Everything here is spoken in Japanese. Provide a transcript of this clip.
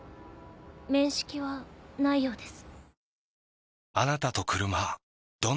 面識はないようです。